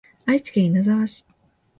愛知県稲沢市